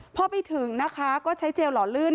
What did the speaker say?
พอไปถึงนะคะก็ใช้เจลหล่อลื่น